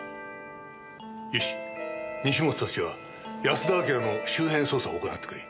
よし西本たちは安田章の周辺捜査を行ってくれ。